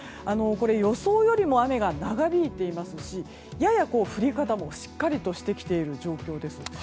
予想よりも雨が長引いていますしやや降り方もしっかりとしてきている状況です。